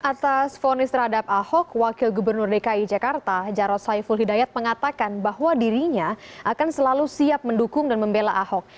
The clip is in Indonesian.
atas fonis terhadap ahok wakil gubernur dki jakarta jarod saiful hidayat mengatakan bahwa dirinya akan selalu siap mendukung dan membela ahok